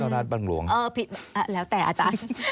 เจ้ารัฐบังรวงหรือผิดเออแล้วแต่อาจารย์